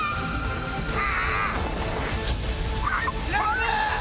あ！